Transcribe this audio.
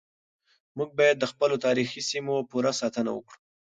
موږ بايد د خپلو تاريخي سيمو پوره ساتنه وکړو.